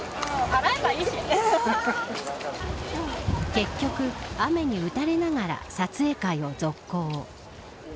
結局、雨に打たれながら撮影会を続行。